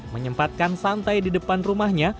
menyempatkan santai di depan rumahnya